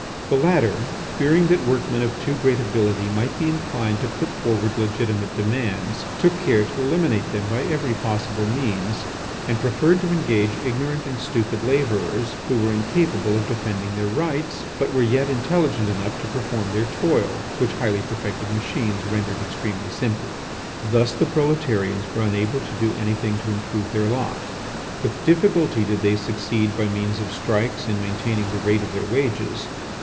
The latter, fearing that workmen of too great ability might be inclined to put forward legitimate demands, took care to eliminate them by every possible means, and preferred to engage ignorant and stupid labourers, who were incapable of defending their rights, but were yet intelligent enough to perform their toil, which highly perfected machines rendered extremely simple. Thus the proletarians were unable to do anything to improve their lot. With difficulty did they succeed by means of strikes in maintaining the rate of their wages.